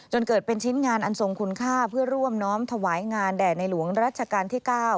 เกิดเป็นชิ้นงานอันทรงคุณค่าเพื่อร่วมน้อมถวายงานแด่ในหลวงรัชกาลที่๙